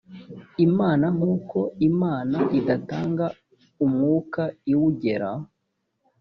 imana nkuko imana idatanga umwuka iwugera